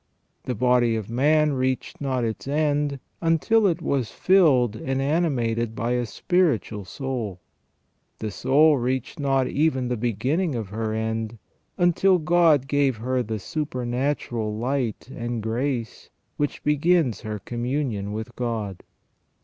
The body of man reached not its end until it was filled and animated by a spiritual soul. The soul reached not even the beginning of her end, until God gave her the supernatural light and grace which begins her communion with God.